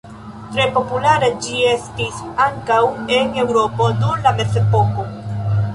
Tre populara ĝi estis ankaŭ en Eŭropo dum la mezepoko.